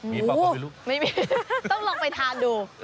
มีบ้างไหมลูกไม่มีต้องลองไปทานดู